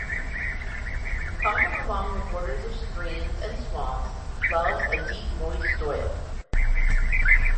Common along the borders of streams and swamps, loves a deep moist soil.